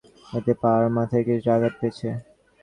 এতে পা আর মাথায় কিছুটা আঘাত পেয়েছে।